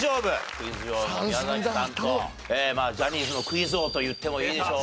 クイズ女王の宮崎さんとまあジャニーズのクイズ王といってもいいでしょう。